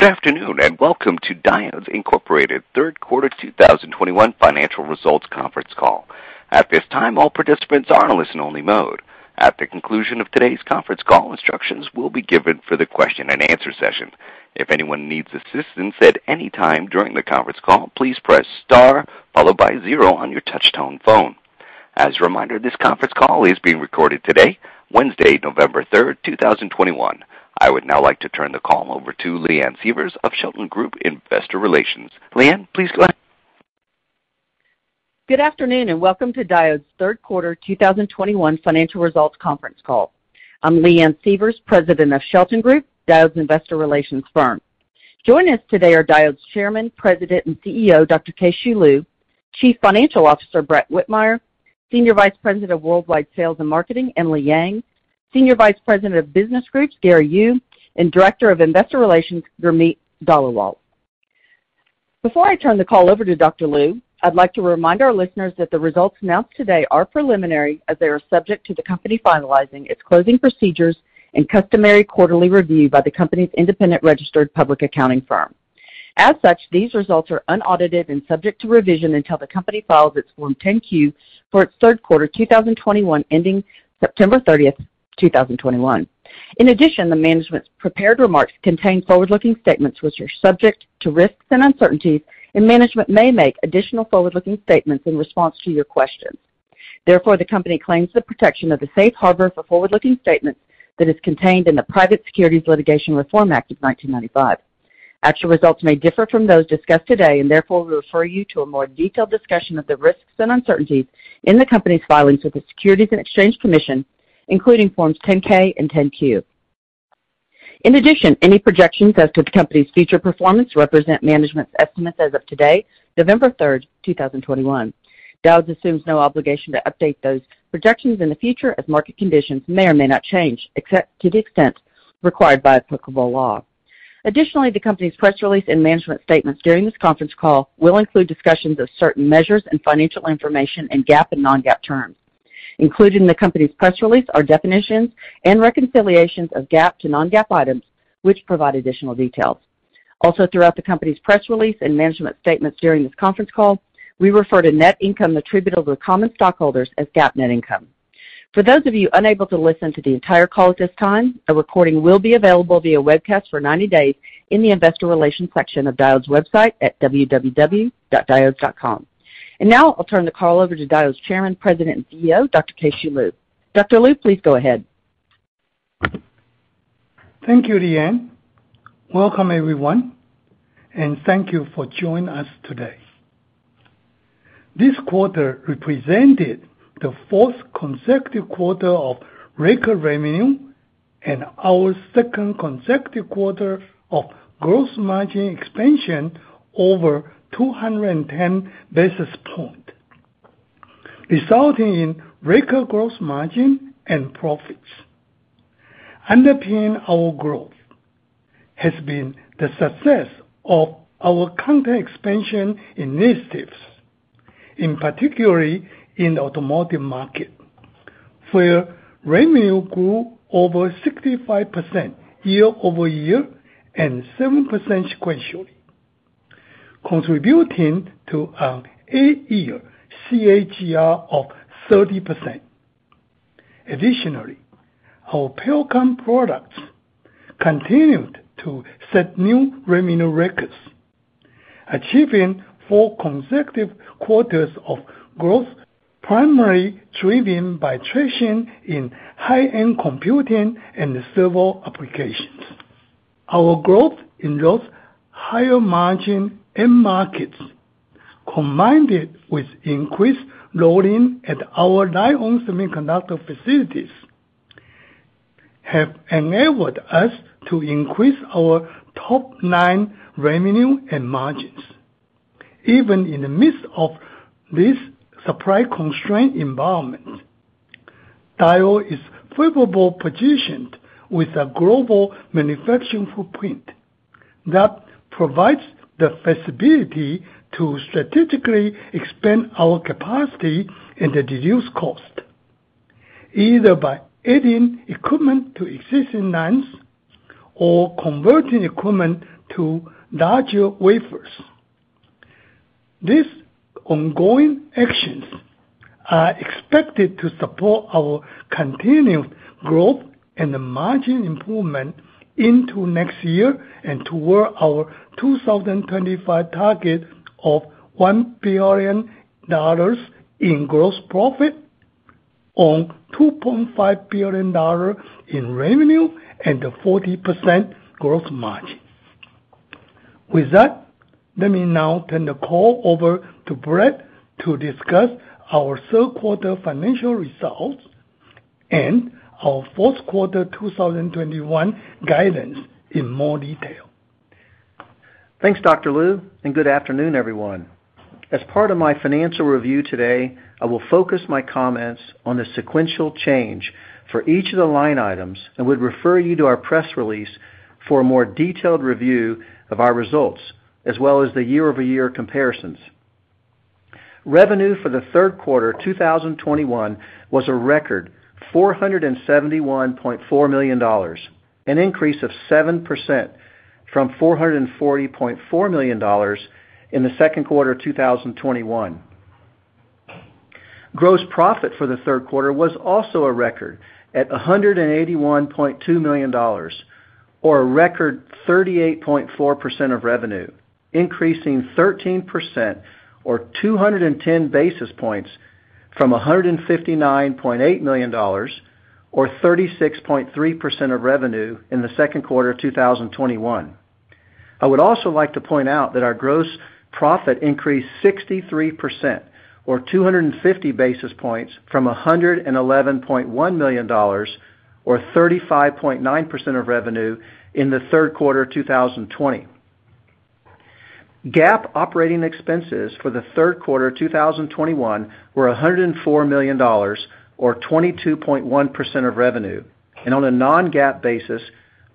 Good afternoon, and welcome to Diodes Incorporated Third Quarter 2021 Financial Results Conference Call. At this time, all participants are in listen-only mode. At the conclusion of today's conference call, instructions will be given for the question and answer session. If anyone needs assistance at any time during the conference call, please press star followed by zero on your touchtone phone. As a reminder, this conference call is being recorded today, Wednesday, November 3, 2021. I would now like to turn the call over to Leanne Sievers of Shelton Group Investor Relations. Leanne, please go ahead. Good afternoon, and welcome to Diodes' Third Quarter 2021 Financial Results Conference Call. I'm Leanne Sievers, President of Shelton Group, Diodes' investor relations firm. Joining us today are Diodes' Chairman, President, and CEO, Dr. Keh-Shew Lu, Chief Financial Officer, Brett Whitmire, Senior Vice President of Worldwide Sales and Marketing, Emily Yang, Senior Vice President of Business Groups, Gary Yu, and Director of Investor Relations, Gurmeet Dhaliwal. Before I turn the call over to Dr. Lu, I'd like to remind our listeners that the results announced today are preliminary as they are subject to the company finalizing its closing procedures and customary quarterly review by the company's independent registered public accounting firm. As such, these results are unaudited and subject to revision until the company files its Form 10-Q for its third quarter 2021 ending September 30th, 2021. In addition, the management's prepared remarks contain forward-looking statements which are subject to risks and uncertainties, and management may make additional forward-looking statements in response to your questions. Therefore, the company claims the protection of the safe harbor for forward-looking statements that is contained in the Private Securities Litigation Reform Act of 1995. Actual results may differ from those discussed today and therefore we refer you to a more detailed discussion of the risks and uncertainties in the company's filings with the Securities and Exchange Commission, including forms 10-K and 10-Q. In addition, any projections as to the company's future performance represent management's estimates as of today, November 3, 2021. Diodes assumes no obligation to update those projections in the future as market conditions may or may not change, except to the extent required by applicable law. Additionally, the company's press release and management statements during this conference call will include discussions of certain measures and financial information in GAAP and non-GAAP terms. Included in the company's press release are definitions and reconciliations of GAAP to non-GAAP items, which provide additional details. Also, throughout the company's press release and management statements during this conference call, we refer to net income attributable to common stockholders as GAAP net income. For those of you unable to listen to the entire call at this time, a recording will be available via webcast for 90 days in the investor relations section of Diodes' website at www.diodes.com. Now, I'll turn the call over to Diodes' Chairman, President, and CEO, Dr. Keh-Shew Lu. Dr. Lu, please go ahead. Thank you, Leanne. Welcome, everyone, and thank you for joining us today. This quarter represented the 4th consecutive quarter of record revenue and our 2nd consecutive quarter of gross margin expansion over 210 basis points, resulting in record gross margin and profits. Underpinning our growth has been the success of our content expansion initiatives, in particular in the automotive market, where revenue grew over 65% year-over-year and 7% sequentially, contributing to an 8-year CAGR of 30%. Additionally, our Pericom products continued to set new revenue records, achieving 4 consecutive quarters of growth, primarily driven by traction in high-end computing and server applications. Our growth in those higher margin end markets, combined with increased loading at our 9 own semiconductor facilities, have enabled us to increase our top line revenue and margins. Even in the midst of this supply constraint environment, Diodes is favorably positioned with a global manufacturing footprint that provides the flexibility to strategically expand our capacity and to reduce cost, either by adding equipment to existing lines or converting equipment to larger wafers. These ongoing actions are expected to support our continued growth and the margin improvement into next year and toward our 2025 target of $1 billion in gross profit on $2.5 billion in revenue and a 40% gross margin. With that, let me now turn the call over to Brett to discuss our third quarter financial results and our fourth quarter 2021 guidance in more detail. Thanks, Dr. Lu, and good afternoon, everyone. As part of my financial review today, I will focus my comments on the sequential change for each of the line items and would refer you to our press release for a more detailed review of our results as well as the year-over-year comparisons. Revenue for the third quarter 2021 was a record $471.4 million, an increase of 7% from $440.4 million in the second quarter of 2021. Gross profit for the third quarter was also a record at $181.2 million, or a record 38.4% of revenue, increasing 13% or 210 basis points from $159.8 million or 36.3% of revenue in the second quarter of 2021. I would also like to point out that our gross profit increased 63% or 250 basis points from $111.1 million or 35.9% of revenue in the third quarter of 2020. GAAP operating expenses for the third quarter of 2021 were $104 million or 22.1% of revenue, and on a non-GAAP basis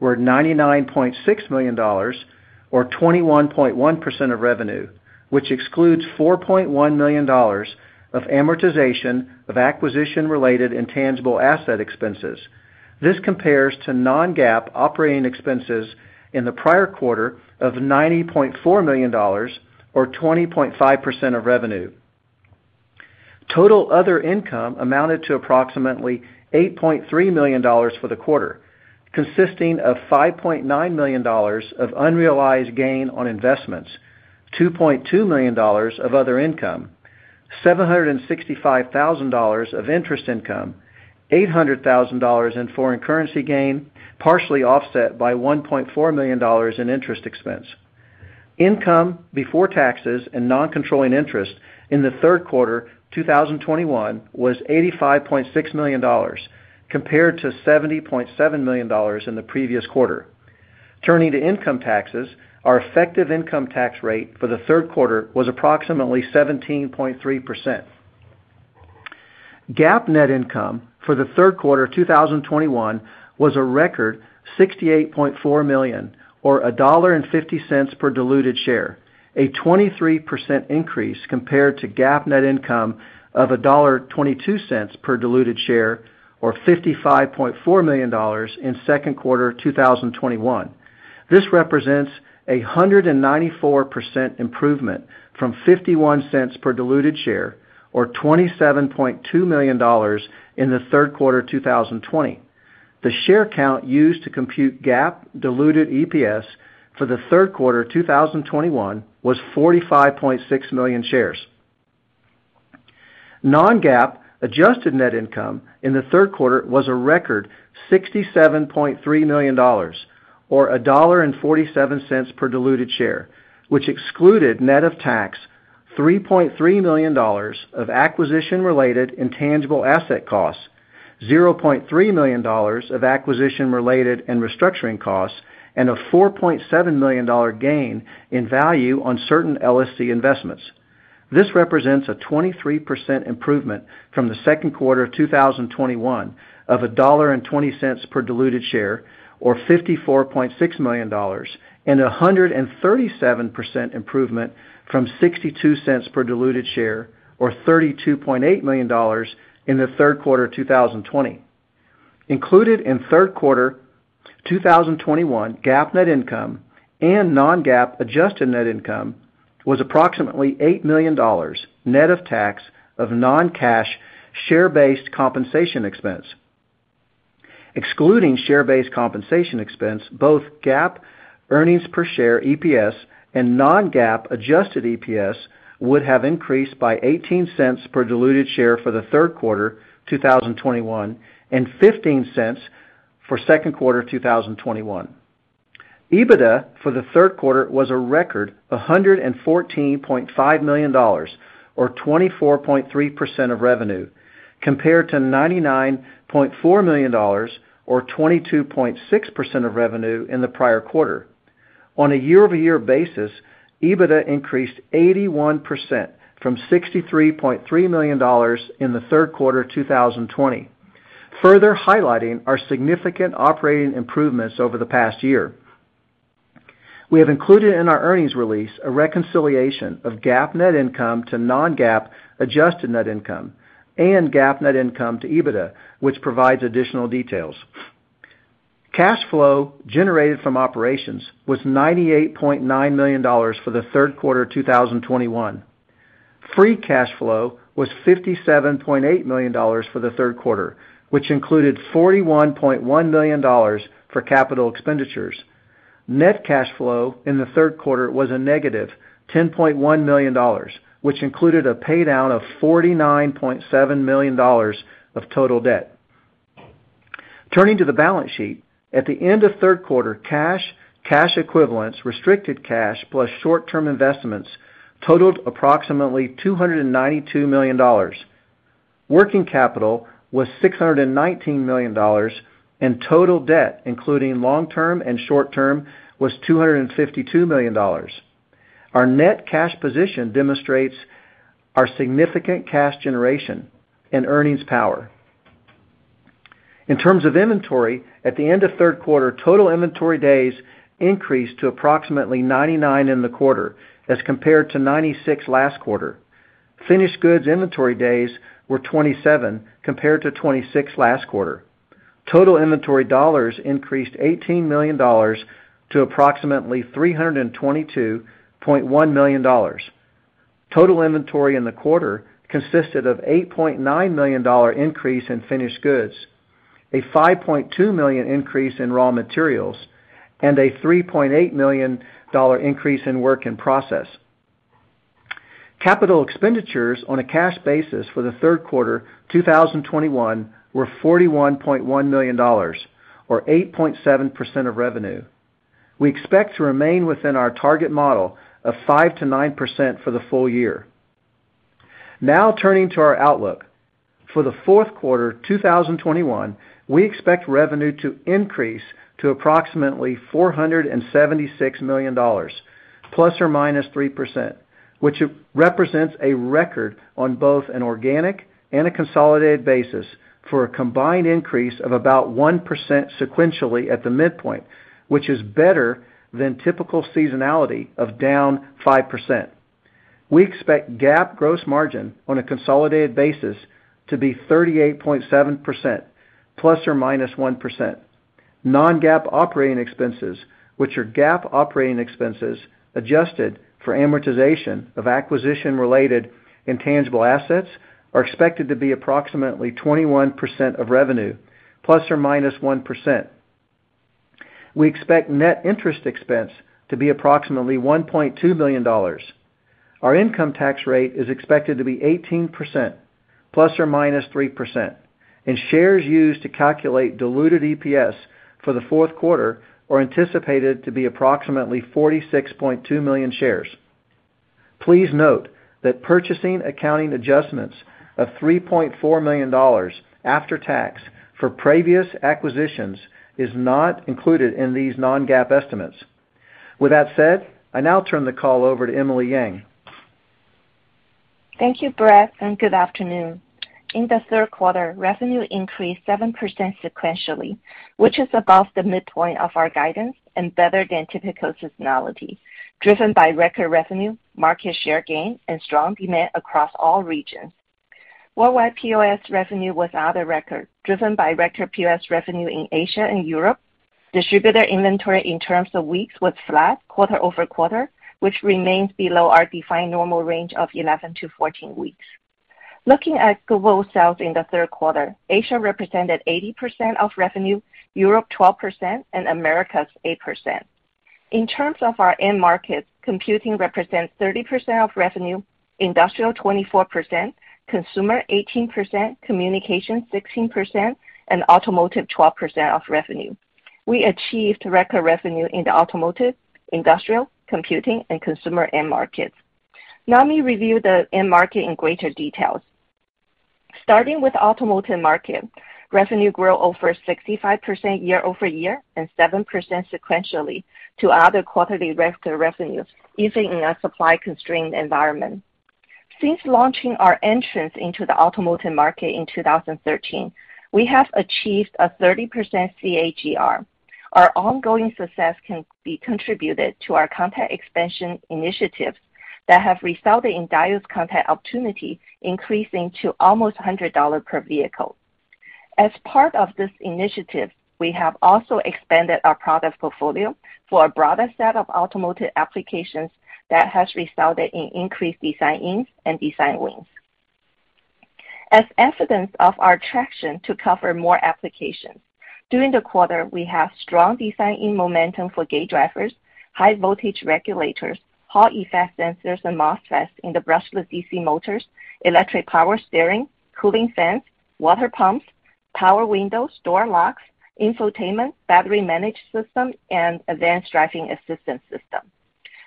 were $99.6 million or 21.1% of revenue, which excludes $4.1 million of amortization of acquisition-related intangible asset expenses. This compares to non-GAAP operating expenses in the prior quarter of $90.4 million or 20.5% of revenue. Total other income amounted to approximately $8.3 million for the quarter, consisting of $5.9 million of unrealized gain on investments, $2.2 million of other income, $765,000 of interest income, $800,000 in foreign currency gain, partially offset by $1.4 million in interest expense. Income before taxes and non-controlling interest in the third quarter 2021 was $85.6 million compared to $70.7 million in the previous quarter. Turning to income taxes, our effective income tax rate for the third quarter was approximately 17.3%. GAAP net income for the third quarter of 2021 was a record $68.4 million or $1.50 per diluted share, a 23% increase compared to GAAP net income of $1.22 per diluted share or $55.4 million in second quarter of 2021. This represents a 194% improvement from $0.51 per diluted share or $27.2 million in the third quarter of 2020. The share count used to compute GAAP diluted EPS for the third quarter of 2021 was 45.6 million shares. Non-GAAP adjusted net income in the third quarter was a record $67.3 million or $1.47 per diluted share, which excluded net of tax, $3.3 million of acquisition-related intangible asset costs, $0.3 million of acquisition-related and restructuring costs, and a $4.7 million gain in value on certain LSC investments. This represents a 23% improvement from the second quarter of 2021 of $1.20 per diluted share or $54.6 million, and a 137% improvement from $0.62 per diluted share or $32.8 million in the third quarter of 2020. Included in third quarter 2021 GAAP net income and non-GAAP adjusted net income was approximately $8 million net of tax of non-cash share-based compensation expense. Excluding share-based compensation expense, both GAAP earnings per share EPS and non-GAAP adjusted EPS would have increased by $0.18 per diluted share for the third quarter 2021 and $0.15 for second quarter of 2021. EBITDA for the third quarter was a record $114.5 million or 24.3% of revenue, compared to $99.4 million or 22.6% of revenue in the prior quarter. On a year-over-year basis, EBITDA increased 81% from $63.3 million in the third quarter of 2020, further highlighting our significant operating improvements over the past year. We have included in our earnings release a reconciliation of GAAP net income to non-GAAP adjusted net income and GAAP net income to EBITDA, which provides additional details. Cash flow generated from operations was $98.9 million for the third quarter of 2021. Free cash flow was $57.8 million for the third quarter, which included $41.1 million for capital expenditures. Net cash flow in the third quarter was a negative $10.1 million, which included a paydown of $49.7 million of total debt. Turning to the balance sheet, at the end of third quarter, cash equivalents, restricted cash + short-term investments totaled approximately $292 million. Working capital was $619 million, and total debt, including long-term and short-term, was $252 million. Our net cash position demonstrates our significant cash generation and earnings power. In terms of inventory, at the end of third quarter, total inventory days increased to approximately 99 in the quarter as compared to 96 last quarter. Finished goods inventory days were 27 compared to 26 last quarter. Total inventory dollars increased $18 million to approximately $322.1 million. Total inventory in the quarter consisted of $8.9 million increase in finished goods, a $5.2 million increase in raw materials, and a $3.8 million increase in work in process. Capital expenditures on a cash basis for the third quarter 2021 were $41.1 million or 8.7% of revenue. We expect to remain within our target model of 5%-9% for the full year. Now turning to our outlook. For the fourth quarter 2021, we expect revenue to increase to approximately $476 million ±3%, which represents a record on both an organic and a consolidated basis for a combined increase of about 1% sequentially at the midpoint, which is better than typical seasonality of down 5%. We expect GAAP gross margin on a consolidated basis to be 38.7% ±1%. Non-GAAP operating expenses, which are GAAP operating expenses adjusted for amortization of acquisition-related intangible assets, are expected to be approximately 21% of revenue ±1%. We expect net interest expense to be approximately $1.2 million. Our income tax rate is expected to be 18% ±3%. Shares used to calculate diluted EPS for the fourth quarter are anticipated to be approximately 46.2 million shares. Please note that purchase accounting adjustments of $3.4 million after tax for previous acquisitions is not included in these non-GAAP estimates. With that said, I now turn the call over to Emily Yang. Thank you, Brett, and good afternoon. In the third quarter, revenue increased 7% sequentially, which is above the midpoint of our guidance and better than typical seasonality, driven by record revenue, market share gain, and strong demand across all regions. Worldwide POS revenue was at a record, driven by record POS revenue in Asia and Europe. Distributor inventory in terms of weeks was flat quarter over quarter, which remains below our defined normal range of 11-14 weeks. Looking at global sales in the third quarter, Asia represented 80% of revenue, Europe 12%, and Americas 8%. In terms of our end markets, computing represents 30% of revenue, industrial 24%, consumer 18%, communication 16%, and automotive 12% of revenue. We achieved record revenue in the automotive, industrial, computing, and consumer end markets. Now let me review the end markets in greater detail. Starting with automotive market, revenue grew over 65% year-over-year and 7% sequentially to another quarterly record revenues, even in a supply-constrained environment. Since launching our entry into the automotive market in 2013, we have achieved a 30% CAGR. Our ongoing success can be attributed to our content expansion initiatives that have resulted in Diodes' content opportunity increasing to almost $100 per vehicle. As part of this initiative, we have also expanded our product portfolio for a broader set of automotive applications that has resulted in increased design-ins and design wins. As evidence of our traction to cover more applications, during the quarter, we have strong design-in momentum for gate drivers, high voltage regulators, Hall effect sensors, and MOSFETs in the brushless DC motors, electric power steering, cooling fans, water pumps, power windows, door locks, infotainment, battery management system, and advanced driving assistance system.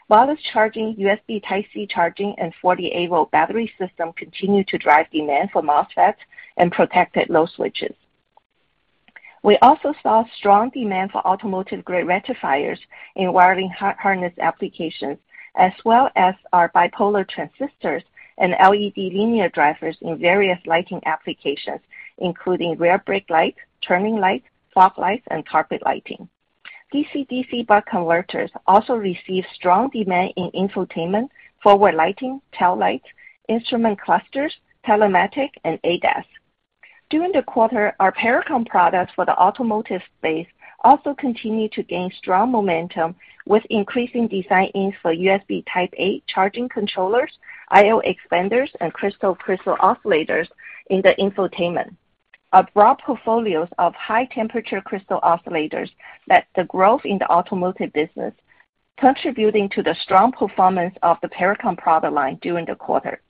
Wireless charging, USB Type-C charging, and 48-volt battery system continue to drive demand for MOSFETs and protection load switches. We also saw strong demand for automotive-grade rectifiers in wiring harness applications, as well as our bipolar transistors and linear LED drivers in various lighting applications, including rear brake lights, turning lights, fog lights, and carpet lighting. DC/DC buck converters also received strong demand in infotainment, forward lighting, tail lights, instrument clusters, telematics, and ADAS. During the quarter, our Pericom products for the automotive space also continued to gain strong momentum with increasing design-ins for USB Type-A charging controllers, I/O expanders, and crystal oscillators in the infotainment. Our broad portfolios of high-temperature crystal oscillators led the growth in the automotive business, contributing to the strong performance of the Pericom product line during the quarter.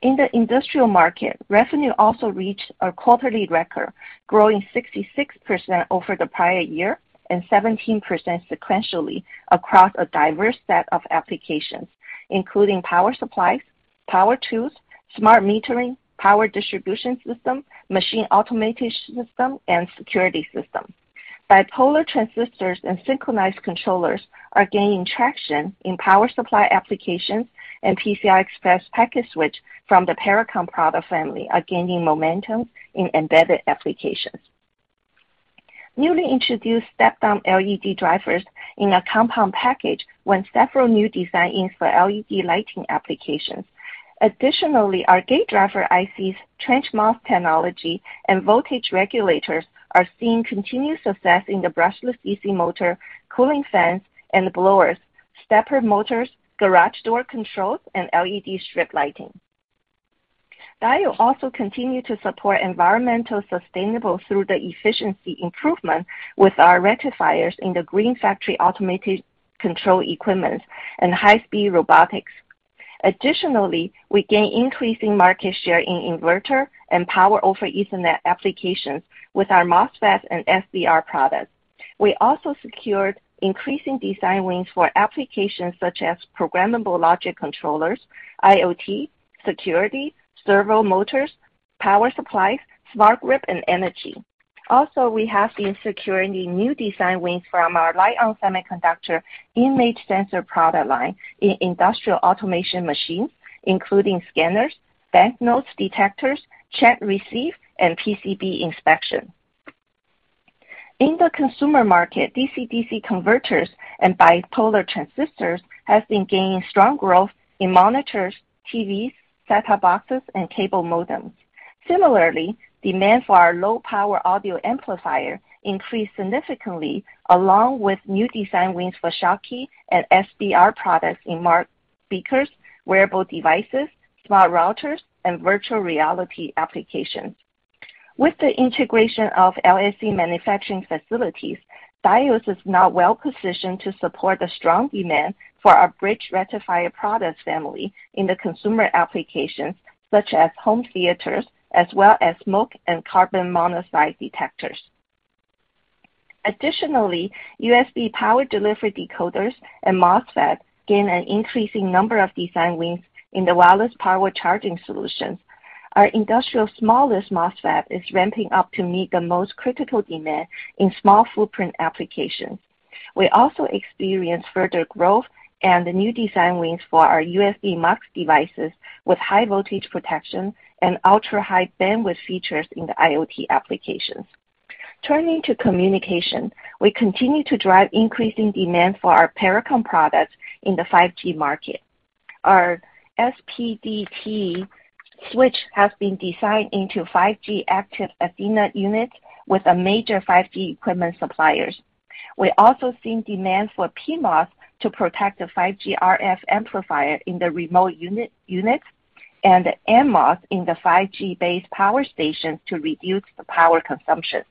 In the industrial market, revenue also reached a quarterly record, growing 66% over the prior year and 17% sequentially across a diverse set of applications, including power supplies, power tools, smart metering, power distribution system, machine automation system, and security system. Bipolar transistors and synchronous controllers are gaining traction in power supply applications, and PCI Express packet switch from the Pericom product family are gaining momentum in embedded applications. Newly introduced step-down LED drivers in a compound package won several new designs for LED lighting applications. Additionally, our gate driver ICs, trench MOS technology, and voltage regulators are seeing continued success in the brushless DC motor, cooling fans and blowers, stepper motors, garage door controls, and LED strip lighting. Diodes also continue to support environmental sustainability through the efficiency improvement with our rectifiers in the green factory automated control equipment and high-speed robotics. Additionally, we gain increasing market share in inverter and Power over Ethernet applications with our MOSFETs and SBR products. We also secured increasing design wins for applications such as programmable logic controllers, IoT, security, servo motors, power supplies, smart grid, and energy. We have been securing new design wins from our Lite-On Semiconductor image sensor product line in industrial automation machines, including scanners, banknotes detectors, check readers, and PCB inspection. In the consumer market, DC-DC converters and bipolar transistors has been gaining strong growth in monitors, TVs, set-top boxes, and cable modems. Similarly, demand for our low-power audio amplifier increased significantly, along with new design wins for Schottky and SBR products in smart speakers, wearable devices, smart routers, and virtual reality applications. With the integration of LSC manufacturing facilities, Diodes is now well-positioned to support the strong demand for our bridge rectifier products family in the consumer applications such as home theaters as well as smoke and carbon monoxide detectors. Additionally, USB power delivery decoders and MOSFET gain an increasing number of design wins in the wireless power charging solutions. Our industry's smallest MOSFET is ramping up to meet the most critical demand in small footprint applications. We also experienced further growth in the new design wins for our USB mux devices with high voltage protection and ultra-high bandwidth features in the IoT applications. Turning to communication, we continue to drive increasing demand for our Pericom products in the 5G market. Our SPDT switch has been designed into 5G active antenna units with a major 5G equipment suppliers. We also seen demand for PMOS to protect the 5G RF amplifier in the remote units and NMOS in the 5G base stations to reduce the power consumption.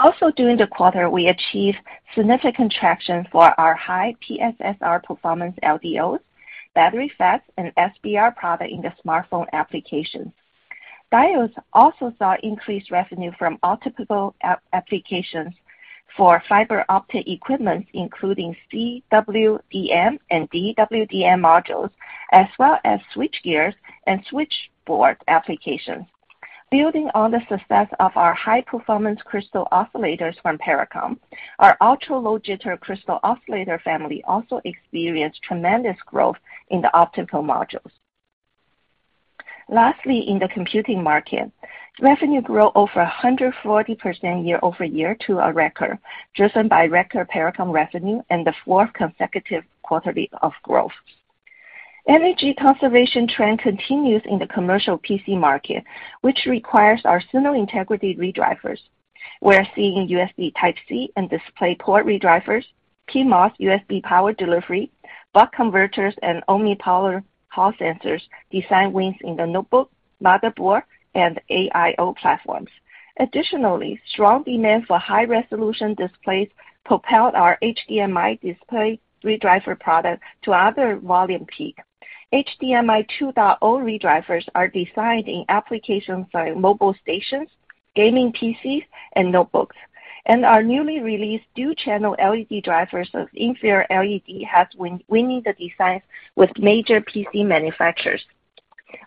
Also, during the quarter, we achieved significant traction for our high PSRR performance LDOs, battery FETs, and SBR product in the smartphone applications. Diodes also saw increased revenue from optical applications for fiber optic equipment, including CWDM and DWDM modules, as well as switchgear and switchboard applications. Building on the success of our high-performance crystal oscillators from Pericom, our ultra-low jitter crystal oscillator family also experienced tremendous growth in the optical modules. Lastly, in the computing market, revenue grew over 140% year-over-year to a record, driven by record Pericom revenue and the fourth consecutive quarter of growth. Energy conservation trend continues in the commercial PC market, which requires our signal integrity ReDrivers. We are seeing USB Type-C and DisplayPort ReDrivers, PMOS USB power delivery, buck converters, and OmniPolar Hall sensors design wins in the notebook, motherboard, and AIO platforms. Additionally, strong demand for high-resolution displays propelled our HDMI display ReDriver product to another volume peak. HDMI 2.0 ReDrivers are designed in applications like mobile stations, gaming PCs, and notebooks, and our newly released dual-channel linear LED drivers have design wins with major PC manufacturers.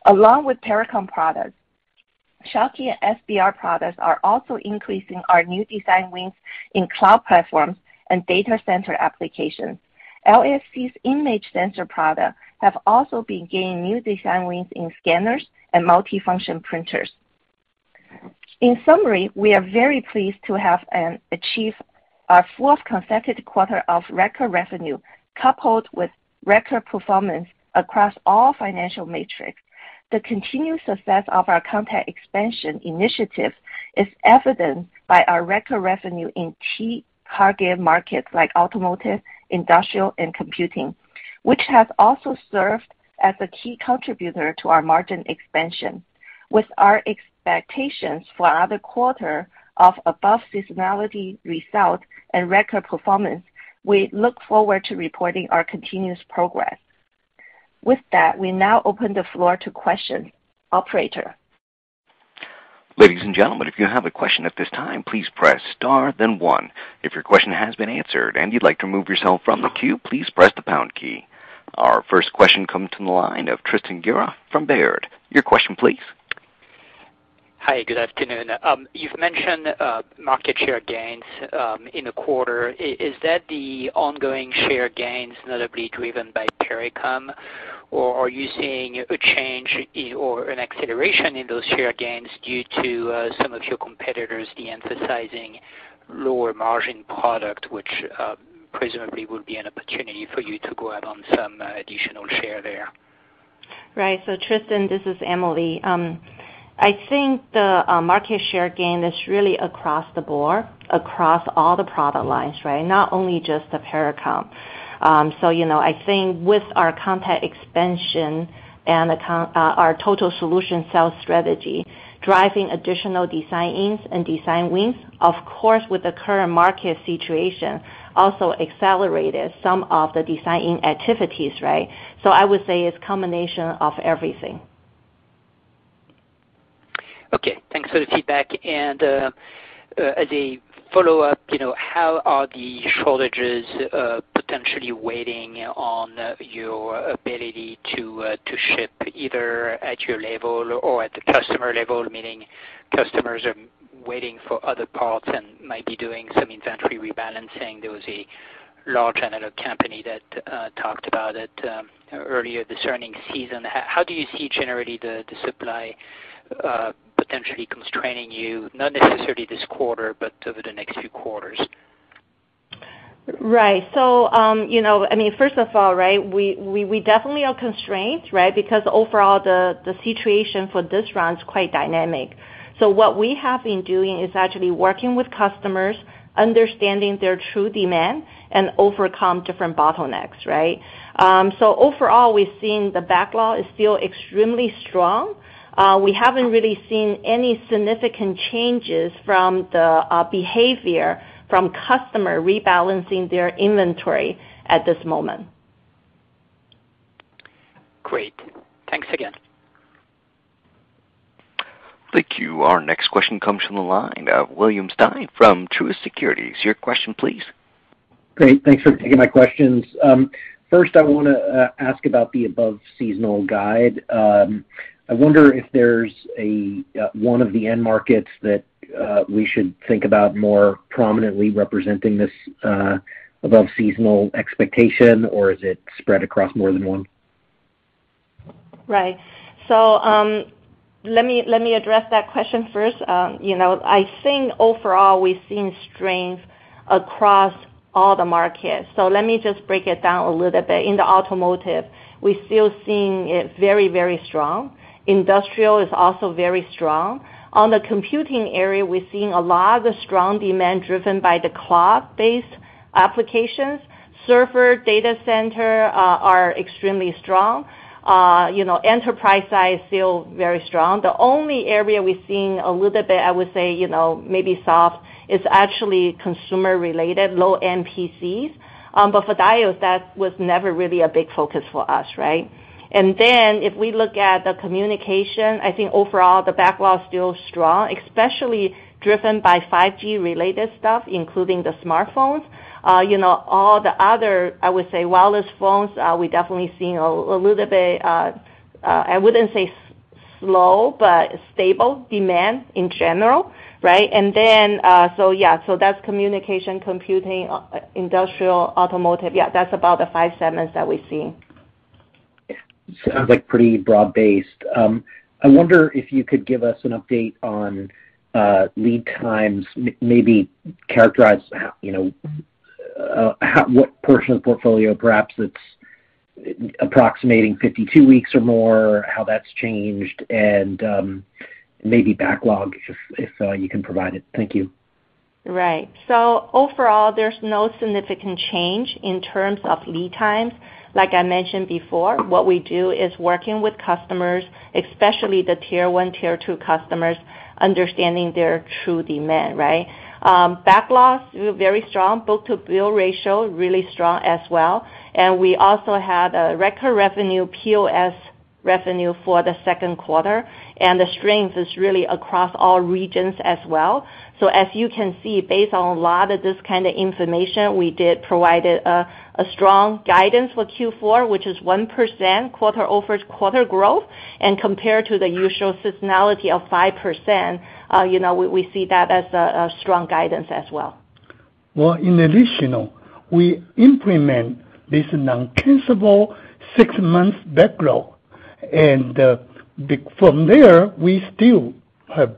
Along with Pericom products, Schottky and SBR products are also increasing our new design wins in cloud platforms and data center applications. LSC's image sensor products have also been gaining new design wins in scanners and multifunction printers. In summary, we are very pleased to achieve our fourth consecutive quarter of record revenue, coupled with record performance across all financial metrics. The continued success of our content expansion initiative is evident by our record revenue in key target markets like automotive, industrial, and computing, which has also served as a key contributor to our margin expansion. With our expectations for another quarter of above seasonality results and record performance, we look forward to reporting our continuous progress. With that, we now open the floor to questions. Operator? Our first question comes from the line of Tristan Gerra from Baird. Your question please. Hi, good afternoon. You've mentioned market share gains in the quarter. Is that the ongoing share gains notably driven by Pericom? Or are you seeing a change or an acceleration in those share gains due to some of your competitors de-emphasizing lower margin product, which presumably would be an opportunity for you to go out on some additional share there? Right. Tristan, this is Emily. I think the market share gain is really across the board, across all the product lines, right? Not only just the Pericom. You know, I think with our content expansion and our total solution sales strategy, driving additional design-ins and design wins, of course, with the current market situation also accelerated some of the designing activities, right? I would say it's combination of everything. Okay. Thanks for the feedback. As a follow up, you know, how are the shortages potentially waiting on your ability to ship either at your level or at the customer level, meaning customers are waiting for other parts and might be doing some inventory rebalancing. There was a large analog company that talked about it earlier this earnings season. How do you see generally the supply potentially constraining you, not necessarily this quarter, but over the next few quarters? Right. You know, I mean, first of all, right, we definitely are constrained, right? Because overall the situation for this round is quite dynamic. What we have been doing is actually working with customers, understanding their true demand and overcome different bottlenecks, right? Overall, we've seen the backlog is still extremely strong. We haven't really seen any significant changes from the behavior from customer rebalancing their inventory at this moment. Great. Thanks again. Thank you. Our next question comes from the line of William Stein from Truist Securities. Your question please. Great. Thanks for taking my questions. First I wanna ask about the above seasonal guide. I wonder if there's one of the end markets that we should think about more prominently representing this above seasonal expectation, or is it spread across more than one? Right. Let me address that question first. You know, I think overall we've seen strength across all the markets. Let me just break it down a little bit. In the automotive, we're still seeing it very, very strong. Industrial is also very strong. On the computing area, we're seeing a lot of the strong demand driven by the cloud-based applications. Server data center are extremely strong. You know, enterprise side is still very strong. The only area we're seeing a little bit, I would say, you know, maybe soft is actually consumer related, low-end PCs. For Diodes that was never really a big focus for us, right? If we look at the communication, I think overall the backlog's still strong, especially driven by 5G related stuff, including the smartphones. You know, all the other, I would say, wireless phones, we're definitely seeing a little bit, I wouldn't say slow, but stable demand in general, right? So yeah. That's communication, computing, industrial, automotive. Yeah, that's about the five segments that we're seeing. Sounds like pretty broad-based. I wonder if you could give us an update on lead times, maybe characterize, you know, what portion of the portfolio perhaps that's approximating 52 weeks or more, how that's changed, and maybe backlog if you can provide it. Thank you. Right. Overall there's no significant change in terms of lead times. Like I mentioned before, what we do is working with customers, especially the tier one, tier two customers, understanding their true demand, right? Backlogs, very strong. Book-to-bill ratio, really strong as well. We also had a record revenue, POS revenue for the second quarter, and the strength is really across all regions as well. As you can see, based on a lot of this kind of information, we did provided a strong guidance for Q4, which is 1% quarter-over-quarter growth. Compared to the usual seasonality of 5%, you know, we see that as a strong guidance as well. Well, in addition, we implement this non-cancelable six-month backlog. From there, we still have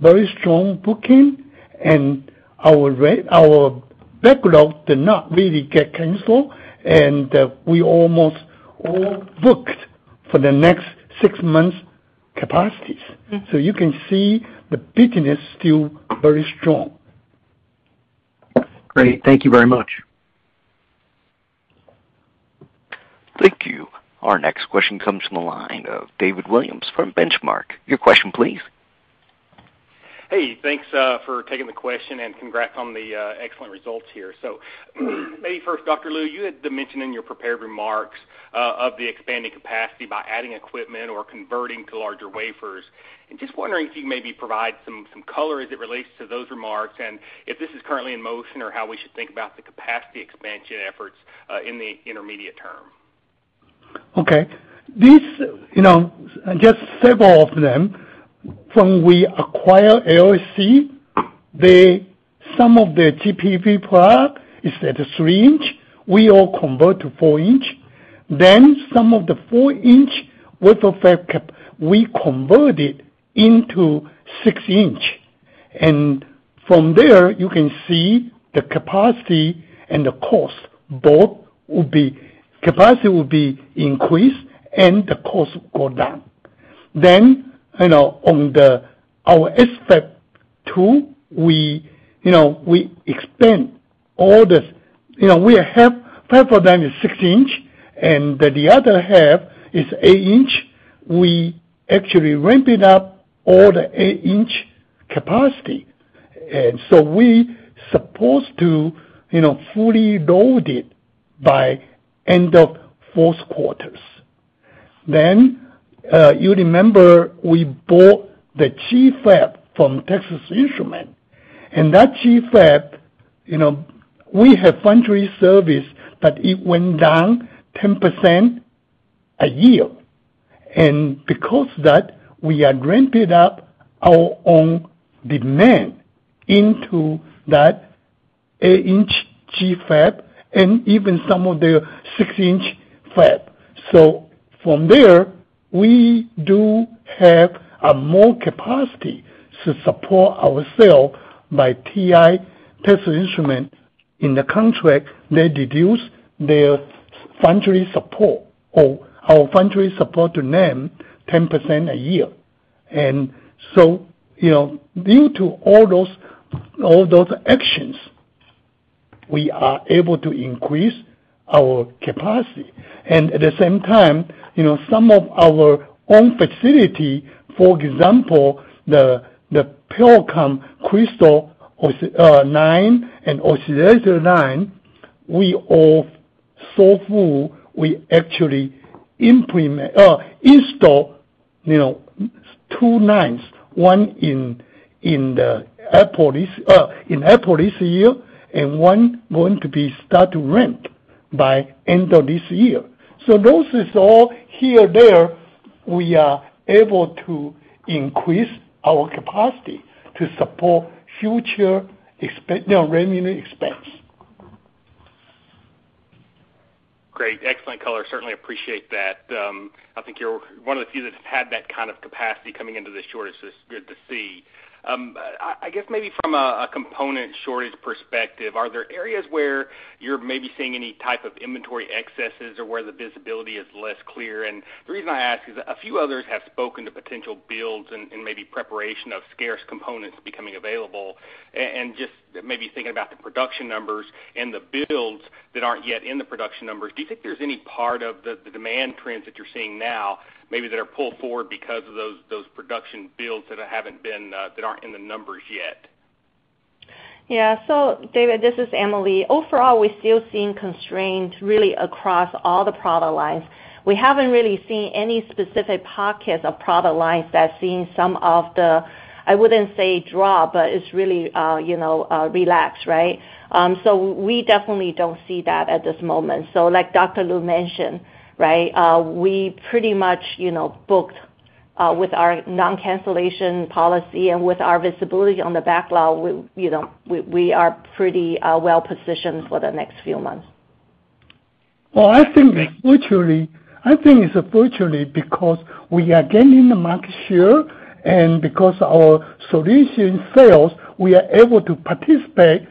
very strong booking and our backlog did not really get canceled, and we almost all booked for the next six months capacities. You can see the business still very strong. Great. Thank you very much. Thank you. Our next question comes from the line of David Williams from Benchmark. Your question please. Hey, thanks for taking the question and congrats on the excellent results here. Maybe first, Dr. Lu, you had mentioned in your prepared remarks on the expanding capacity by adding equipment or converting to larger wafers. Just wondering if you can maybe provide some color as it relates to those remarks and if this is currently in motion or how we should think about the capacity expansion efforts in the intermediate term. Okay. This, you know, just several of them from when we acquired LSC, some of the GBV product is at a 3-inch. We will convert to 4-inch. Some of the 4-inch wafer fab cap, we convert it into 6-inch. From there, you can see the capacity will be increased and the cost will go down. You know, on our SFAB 2, you know, we expand all this. You know, we have wafer that is 6-inch, and the other half is 8-inch. We actually ramp it up all the 8-inch capacity. We supposed to, you know, fully load it by end of fourth quarter. You remember we bought the GFAB from Texas Instruments. That GFAB, you know, we have foundry service, but it went down 10% a year. Because of that, we are ramping up our own demand into that 8-inch GFAB and even some of the 6-inch fab. From there, we do have more capacity to support ourselves by TI, Texas Instruments. In the contract, they reduce their subcon foundry support or our foundry support to them 10% a year. You know, due to all those actions, we are able to increase our capacity. At the same time, you know, some of our own facilities, for example, the Pericom crystal oscillator line, we are so full, we actually install, you know, Two lines, one in the port this year and one going to start to ramp by end of this year. Those are all here. There, we are able to increase our capacity to support future expansion, you know, revenue expansion. Great. Excellent color. Certainly appreciate that. I think you're one of the few that's had that kind of capacity coming into this shortage, so it's good to see. I guess maybe from a component shortage perspective, are there areas where you're maybe seeing any type of inventory excesses or where the visibility is less clear? The reason I ask is a few others have spoken to potential builds and maybe preparation of scarce components becoming available. Just maybe thinking about the production numbers and the builds that aren't yet in the production numbers, do you think there's any part of the demand trends that you're seeing now maybe that are pulled forward because of those production builds that haven't been that aren't in the numbers yet? Yeah. David, this is Emily. Overall, we're still seeing constraints really across all the product lines. We haven't really seen any specific pockets of product lines that's seen some of the, I wouldn't say drop, but it's really, you know, relaxed, right? We definitely don't see that at this moment. Like Dr. Lu mentioned, right, we pretty much, you know, booked with our non-cancellation policy and with our visibility on the backlog. We, you know, we are pretty well positioned for the next few months. I think fortunately, I think it's fortunately because we are gaining the market share and because our solution sales, we are able to participate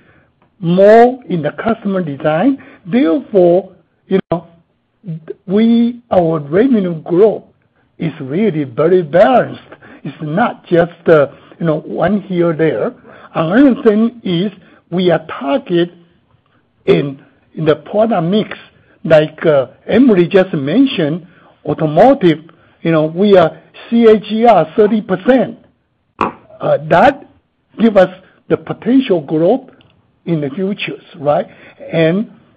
more in the customer design. Therefore, you know, our revenue growth is really very balanced. It's not just, you know, one here or there. Another thing is we are targeting in the product mix. Like, Emily just mentioned, automotive, you know, we are CAGR 30%. That give us the potential growth in the future, right?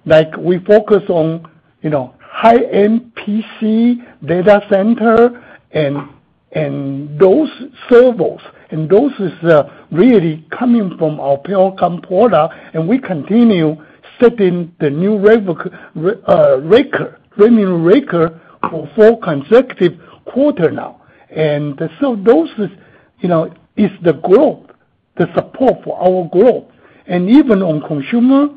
Like we focus on, you know, high-end PC data center and those servers, and those is really coming from our Pericom product, and we continue setting the new revenue record for four consecutive quarters now. Those is, you know, the growth, the support for our growth. Even on consumer,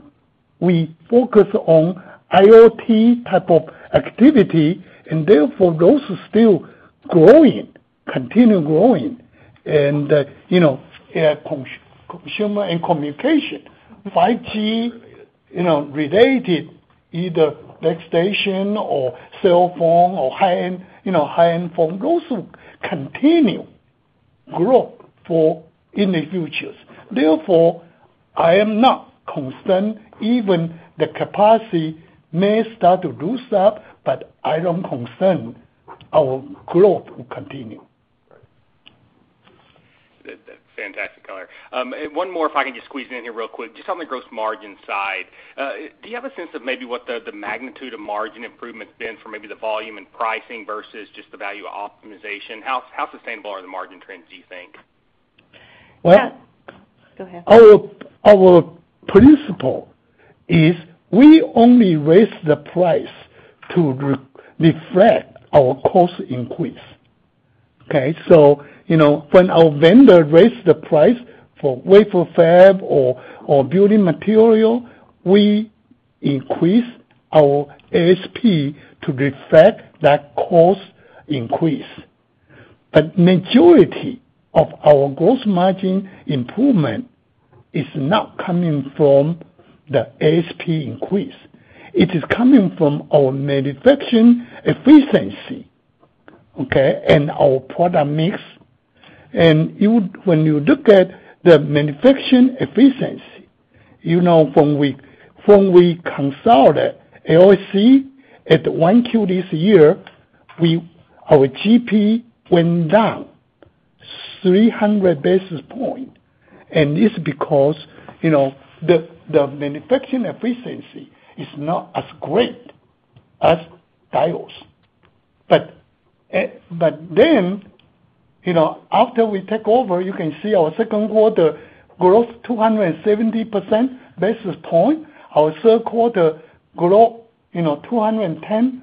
we focus on IoT type of activity, and therefore, those are still growing, continue growing. You know, yeah, consumer and communication, 5G, you know, related either base station or cell phone or high-end, you know, high-end phone, those will continue grow in the future. Therefore, I am not concerned, even the capacity may start to loosen up, but I don't concern our growth will continue. Fantastic color. One more if I can just squeeze it in here real quick. Just on the gross margin side, do you have a sense of maybe what the magnitude of margin improvement's been for maybe the volume and pricing versus just the value optimization? How sustainable are the margin trends, do you think? Well- Yeah. Go ahead. Our principle is we only raise the price to re-reflect our cost increase, okay? You know, when our vendor raised the price for wafer fab or building material, we increase our ASP to reflect that cost increase. Majority of our gross margin improvement is not coming from the ASP increase. It is coming from our manufacturing efficiency, okay? Our product mix. When you look at the manufacturing efficiency, when we consulted LSC at 1Q this year, our GP went down 300 basis points. It's because the manufacturing efficiency is not as great as Diodes. Then, after we take over, you can see our second quarter growth 270 basis points. Our third quarter growth, you know, 210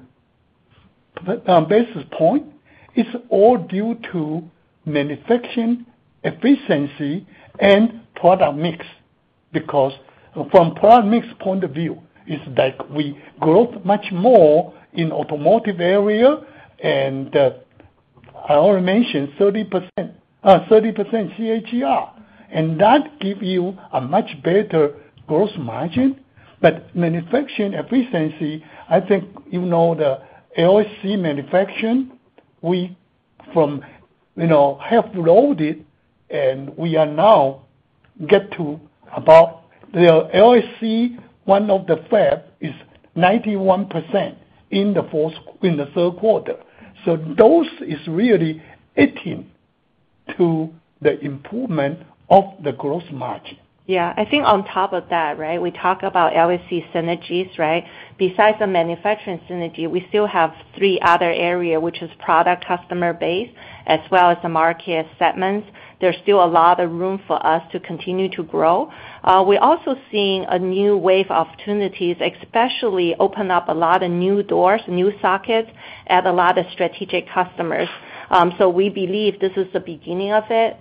basis points is all due to manufacturing efficiency and product mix. Because from product mix point of view, it's like we grow much more in automotive area and I already mentioned 30% CAGR. That give you a much better gross margin. Manufacturing efficiency, I think you know the LSC manufacturing, we from half loaded and we are now get to about the LSC, one of the fab is 91% in the third quarter. Those is really 18 to the improvement of the gross margin. Yeah. I think on top of that, right, we talk about LSC synergies, right? Besides the manufacturing synergy, we still have three other area, which is product customer base, as well as the market segments. There's still a lot of room for us to continue to grow. We're also seeing a new wave of opportunities, especially open up a lot of new doors, new sockets at a lot of strategic customers. So we believe this is the beginning of it.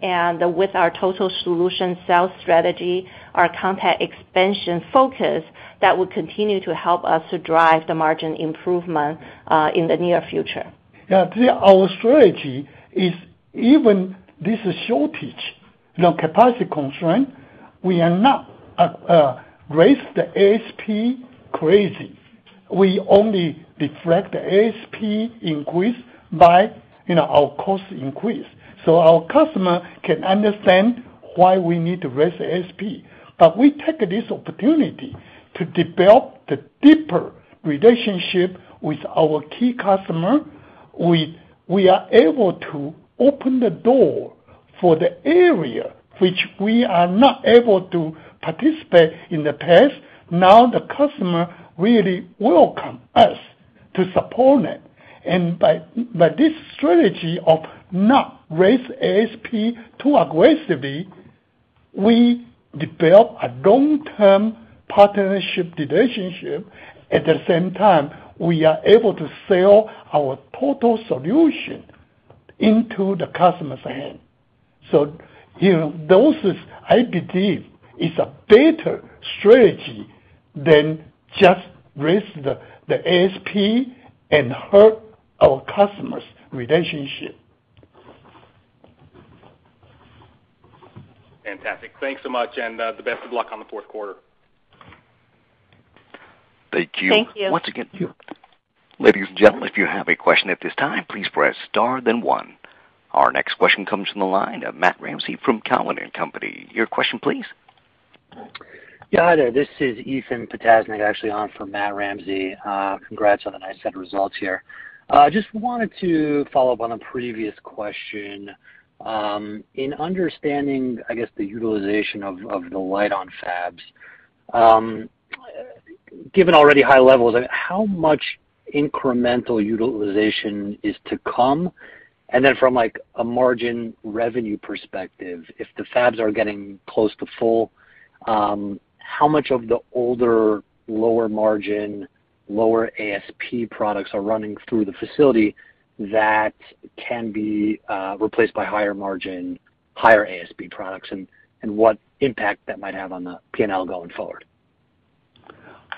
With our total solution sales strategy, our content expansion focus, that will continue to help us to drive the margin improvement in the near future. Yeah. Our strategy is even this shortage, you know, capacity constraint, we are not raise the ASP crazy. We only reflect the ASP increase by, you know, our cost increase. Our customer can understand why we need to raise the ASP. We take this opportunity to develop the deeper relationship with our key customer. We are able to open the door for the area which we are not able to participate in the past. Now, the customer really welcome us to support it. By this strategy of not raise ASP too aggressively, we develop a long-term partnership relationship. At the same time, we are able to sell our total solution into the customer's hand. You know, this is, I believe, a better strategy than just raise the ASP and hurt our customers' relationship. Fantastic. Thanks so much, and the best of luck on the fourth quarter. Thank you. Thank you. Once again. Ladies and gentlemen, if you have a question at this time, please press star then one. Our next question comes from the line of Matthew Ramsay from Cowen and Company. Your question please. Yeah. Hi there. This is Ethan Potasnick actually on for Matthew Ramsay. Congrats on the nice set of results here. Just wanted to follow up on a previous question. In understanding, I guess the utilization of the Lite-On fabs, given already high levels, how much incremental utilization is to come? And then from like a margin revenue perspective, if the fabs are getting close to full, how much of the older, lower margin, lower ASP products are running through the facility that can be replaced by higher margin, higher ASP products? And what impact that might have on the P&L going forward.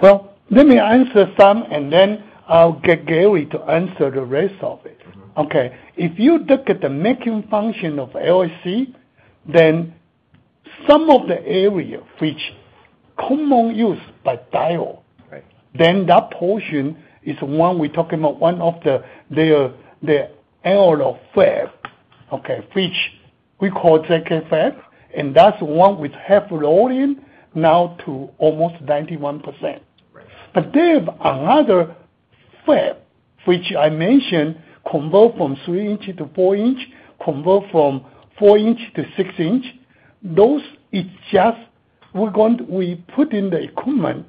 Well, let me answer some and then I'll get Gary to answer the rest of it. Mm-hmm. Okay. If you look at the manufacturing function of LSC, then some of the areas which are commonly used by Diodes. Right. That portion is one we're talking about, one of their analog fab, okay, which we call second fab, and that's one with half loading now to almost 91%. Right. They have another fab, which I mentioned convert from 3-inch to 4-inch, convert from 4-inch to 6-inch. That's just we put in the equipment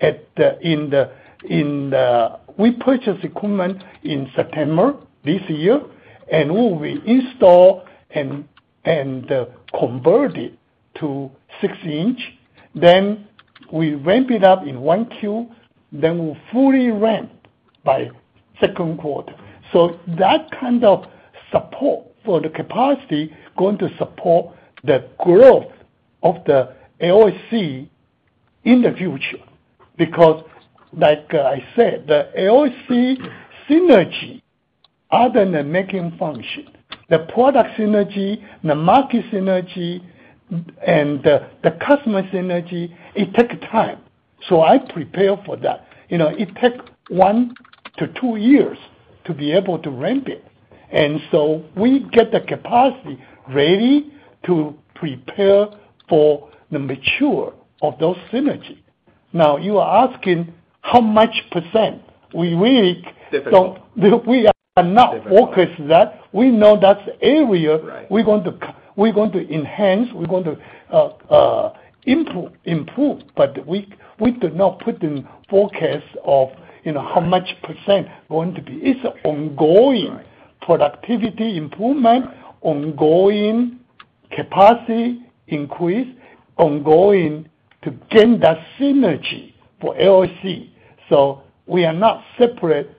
at the in the we purchase equipment in September this year, and we will install and convert it to 6-inch. Then we ramp it up in 1Q, then we'll fully ramp by second quarter. That kind of support for the capacity going to support the growth of the AOC in the future. Because like I said, the AOC synergy other than the making function, the product synergy, the market synergy, and the customer synergy, it take time. I prepare for that. You know, it take 1 to 2 years to be able to ramp it. We get the capacity ready to prepare for the maturity of those synergies. Now, you are asking how much percent we make- Difficult. We are not focused on that. We know that's the area- Right. We're going to enhance, we're going to improve. But we did not put in forecast of, you know, how much percent going to be. It's ongoing. Right. productivity improvement, ongoing capacity increase, ongoing to gain that synergy for LSC. We are not separate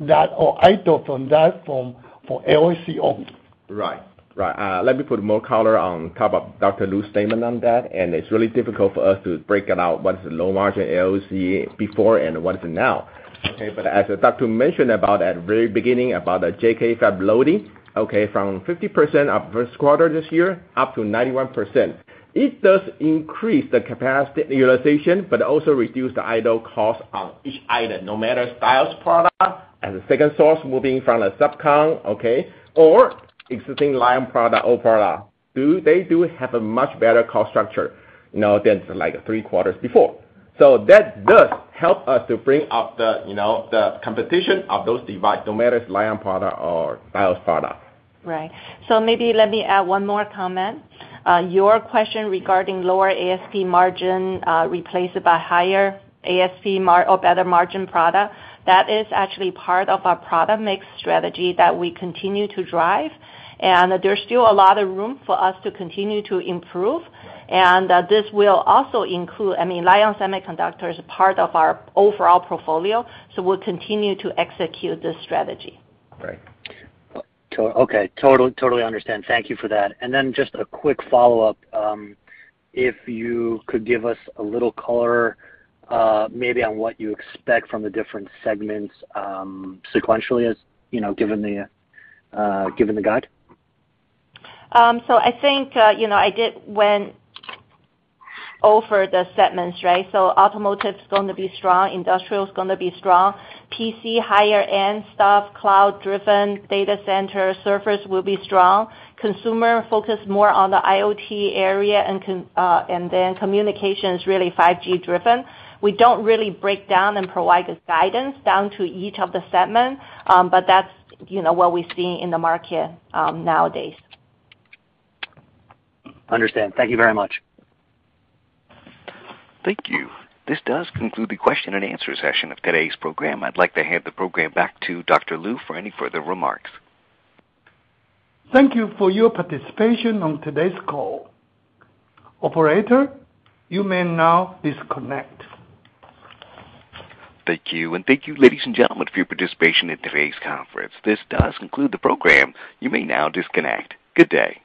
that or either from that, for AOC only. Right. Let me put more color on top of Dr. Lu's statement on that, and it's really difficult for us to break it out what's the low margin AOC before and what is it now. As the doctor mentioned at the very beginning about the GFAB loading, from 50% in the first quarter this year, up to 91%. It does increase the capacity utilization but also reduce the idle cost on each item, no matter Lite-On product as a second source moving from a subcon, or existing Lite-On product. They do have a much better cost structure, you know, than like three quarters before. That does help us to bring up the, you know, the competitiveness of those devices, no matter it's Lite-On product or Lite-On product. Right. So maybe let me add one more comment. Your question regarding lower ASP margin, replaced by higher ASP or better margin product, that is actually part of our product mix strategy that we continue to drive. There's still a lot of room for us to continue to improve. Right. This will also include, I mean, Lite-On Semiconductor is part of our overall portfolio, so we'll continue to execute this strategy. Right. Okay. Totally understand. Thank you for that. Then just a quick follow up, if you could give us a little color, maybe on what you expect from the different segments, sequentially, as you know, given the guide. I think, you know, I did went over the segments, right? Automotive's gonna be strong. Industrial's gonna be strong. PC, higher end stuff, cloud driven data center servers will be strong. Consumer focus more on the IoT area and then communication is really 5G driven. We don't really break down and provide the guidance down to each of the segment. That's, you know, what we're seeing in the market, nowadays. Understood. Thank you very much. Thank you. This does conclude the question and answer session of today's program. I'd like to hand the program back to Dr. Lu for any further remarks. Thank you for your participation on today's call. Operator, you may now disconnect. Thank you. Thank you, ladies and gentlemen, for your participation in today's conference. This does conclude the program. You may now disconnect. Good day.